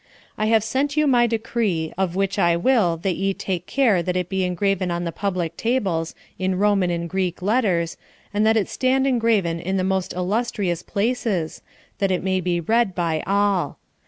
I have sent you my decree, of which I will that ye take care that it be engraven on the public tables, in Roman and Greek letters, and that it stand engraven in the most illustrious places, that it may be read by all.